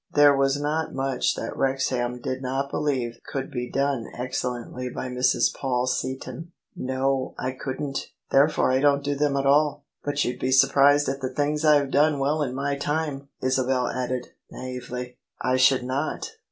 There was not much that Wrexham did not believe could be done excellently by Mrs. Paul Seaton. "No, I couldn't: therefore I don't do them at all. But you'd be surprised at the things I've done well in my time," Isabel added, naively. " I should not.